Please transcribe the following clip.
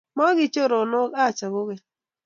Magiichoronok ache kogeny